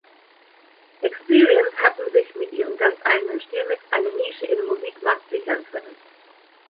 X-Perience hatten sich mit ihrem ganz eigenen Stilmix eine Nische im Musikmarkt sichern können.